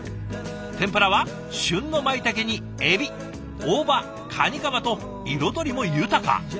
天ぷらは旬のマイタケにエビ大葉カニカマと彩りも豊か。